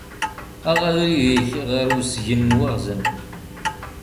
Aɣ abrid-ik ɣer usgen n waɣzen.